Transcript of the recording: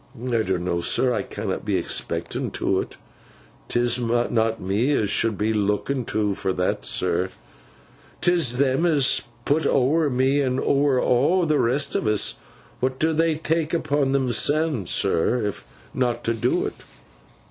'I donno, sir. I canna be expecten to 't. 'Tis not me as should be looken to for that, sir. 'Tis them as is put ower me, and ower aw the rest of us. What do they tak upon themseln, sir, if not to do't?